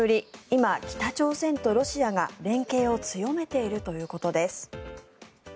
今、北朝鮮とロシアが連携を強めているということです。